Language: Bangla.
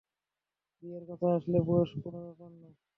বিয়ের কথা আসলে, বয়স কোন ব্যাপার না।